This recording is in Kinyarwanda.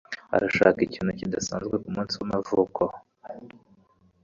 Arashaka ikintu kidasanzwe kumunsi w'amavuko.